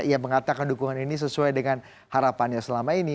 ia mengatakan dukungan ini sesuai dengan harapannya selama ini